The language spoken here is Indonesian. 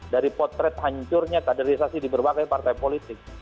dari potret hancurnya kaderisasi di berbagai partai politik